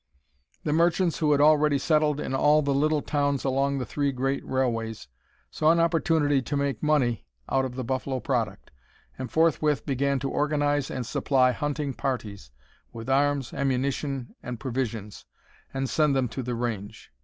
The merchants who had already settled in all the little towns along the three great railways saw an opportunity to make money out of the buffalo product, and forthwith began to organize and supply hunting parties with arms, ammunition, and provisions, and send them to the range.